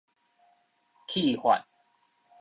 去髮